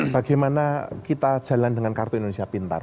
bagaimana kita jalan dengan kartu indonesia pintar